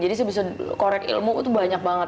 jadi saya bisa korek ilmu itu banyak banget